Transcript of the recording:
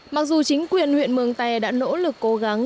mặc dù chính quyền huyện mường tè đã nỗ lực cố gắng